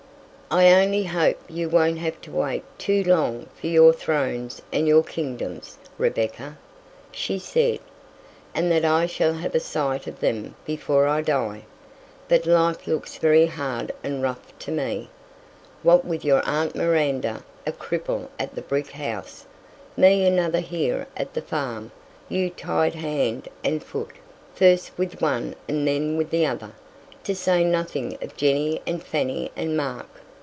"I only hope you won't have to wait too long for your thrones and your kingdoms, Rebecca," she said, "and that I shall have a sight of them before I die; but life looks very hard and rough to me, what with your aunt Miranda a cripple at the brick house, me another here at the farm, you tied hand and foot, first with one and then with the other, to say nothing of Jenny and Fanny and Mark!